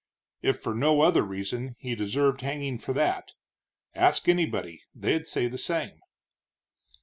If for no other reason, he deserved hanging for that. Ask anybody; they'd say the same.